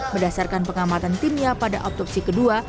berdasarkan pengamatan timnya pada otopsi kedua